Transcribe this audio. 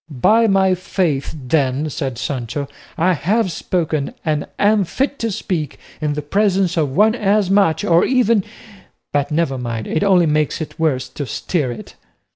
"By my faith then," said Sancho, "I have spoken, and am fit to speak, in the presence of one as much, or even but never mind it only makes it worse to stir it."